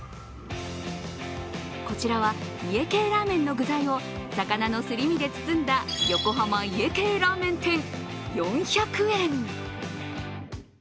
こちらは、家系ラーメンの具材を魚のすり身で包んだ横浜家系ラーメン天、４００円。